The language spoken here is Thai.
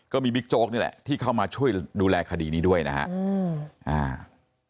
บิ๊กโจ๊กนี่แหละที่เข้ามาช่วยดูแลคดีนี้ด้วยนะครับ